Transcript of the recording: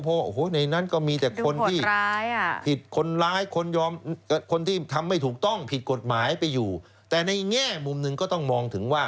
เพราะว่าโอ้โหในนั้นก็มีแต่คนที่ผิดคนร้ายคนยอมคนที่ทำไม่ถูกต้องผิดกฎหมายไปอยู่แต่ในแง่มุมหนึ่งก็ต้องมองถึงว่า